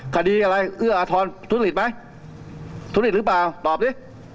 คดีอะไรเอื้ออาทรทุจริตไหมทุจริตหรือเปล่าตอบดิ